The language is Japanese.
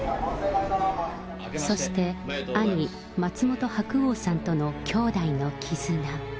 そして、兄、松本白鸚さんとの兄弟の絆。